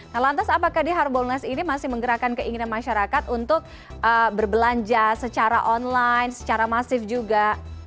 nah lantas apakah di harbolnas ini masih menggerakkan keinginan masyarakat untuk berbelanja secara online secara masif juga